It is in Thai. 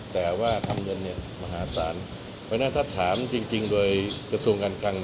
แต่ว่าทำเงินเนี่ยมหาศาลเพราะฉะนั้นถ้าถามจริงโดยกระทรวงการคลัง